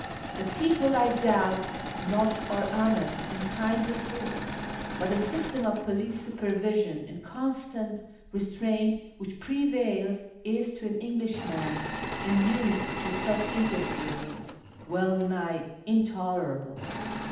The people, I doubt not, are honest and kindly folk, but the system of police supervision and constant restraint which prevails is, to an Englishman unused to such interference, well nigh intolerable.